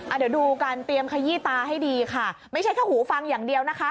เดี๋ยวดูการเตรียมขยี้ตาให้ดีค่ะไม่ใช่แค่หูฟังอย่างเดียวนะคะ